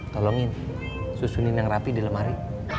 tolongin susunin yang rapi di lemari